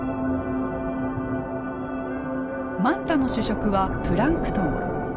マンタの主食はプランクトン。